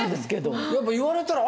やっぱ言われたらああ